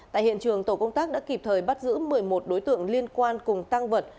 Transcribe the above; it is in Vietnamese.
tại hiện trường tổ công tác đã kịp thời bắt giữ một mươi một đối tượng liên quan cùng tăng vật